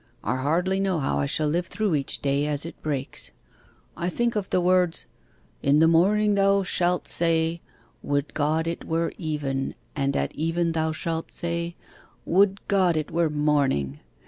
I hardly know how I shall live through each day as it breaks. I think of the words, "In the morning thou shalt say, Would God it were even! and at even thou shalt say, Would God it were morning!